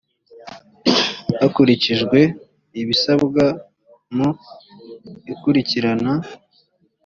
hakurikijwe ibisabwa mu ikurikirana